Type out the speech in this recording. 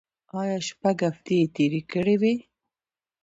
ایله شپږ هفتې یې تېرې کړې وې.